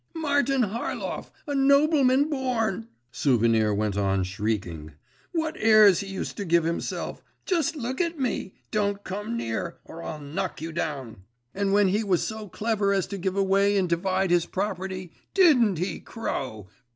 'Martin Harlov, a nobleman born!' Souvenir went on shrieking. 'What airs he used to give himself. Just look at me! Don't come near, or I'll knock you down!… And when he was so clever as to give away and divide his property, didn't he crow!